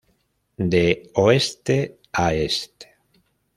De oeste a este.